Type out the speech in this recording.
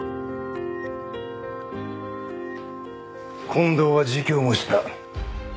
近藤は自供もした。